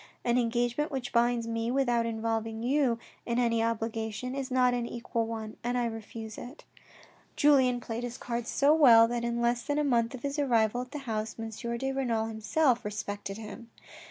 An engagement which binds me without involving you in any obligation is not an equal one and I refuse it." Julien played his cards so well, that in less than a month of his arrival at the house, M. de Renal himself respected him.